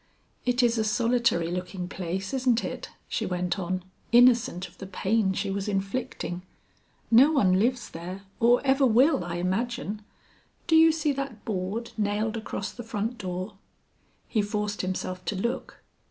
"It is a solitary looking place, isn't it?" she went on, innocent of the pain she was inflicting. "No one lives there or ever will, I imagine. Do you see that board nailed across the front door?" He forced himself to look.